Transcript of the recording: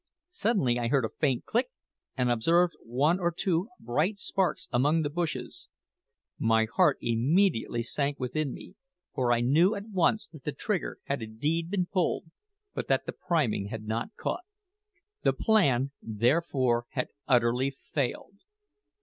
Suddenly I heard a faint click, and observed one or two bright sparks among the bushes. My heart immediately sank within me, for I knew at once that the trigger had indeed been pulled, but that the priming had not caught. The plan, therefore, had utterly failed.